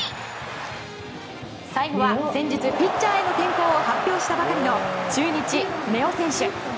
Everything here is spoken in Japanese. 最後は、先日ピッチャーへの転向を発表したばかりの中日、根尾選手。